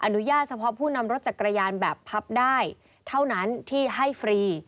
อนุญาตเฉพาะผู้นำรถจักรยานแบบพับได้เท่านั้นที่ให้ฟรี